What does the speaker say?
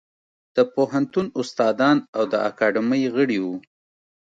د پوهنتون استادان او د اکاډمۍ غړي وو.